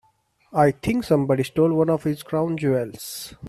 I think somebody stole one of his crown jewels.